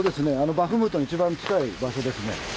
バフムトに一番近い場所ですね。